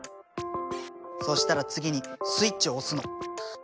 そしたら次にスイッチを押すの。